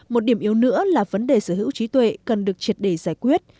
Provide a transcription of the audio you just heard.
một điểm yếu nữa là vấn đề sở hữu trí tuệ cần được triệt để giải quyết